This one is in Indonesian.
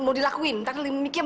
mami mami hentikan papi miki sekarang